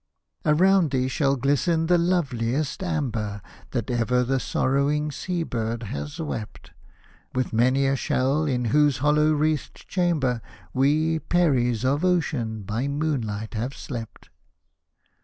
Hosted by Google 148 LALLA RQOKH Around thee shall glisten the loveliest amber That ever the sorrowing sea bird has wept ; With many a shell, in whose hollow wreathed chamber, We, Peris of Ocean, by moonlight have slept.